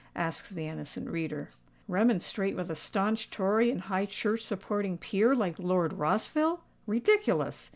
asks the innocent reader. Remonstrate with a stanch Tory and High Church supporting peer like Lord Rossville? Ridiculous!